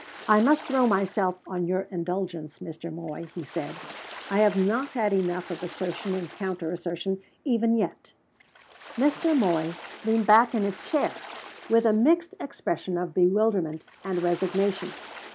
"I must throw myself on your indulgence, Mr. Moy," he said. "I have not had enough of assertion and counter assertion, even yet." Mr. Moy leaned back in his chair, with a mixed expression of bewilderment and resignation.